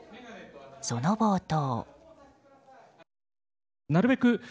その冒頭。